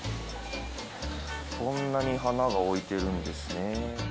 こんなに花が置いてるんですね。